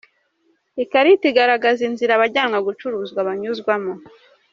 Ikarita igaragaza inzira abajyanwa gucuruzwa banyuzwamo.